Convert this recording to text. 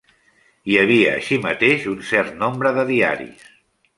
Hi havia així mateix un cert nombre de diaris.